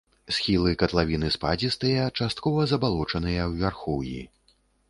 Схілы катлавіны спадзістыя, часткова забалочаныя ў вярхоўі.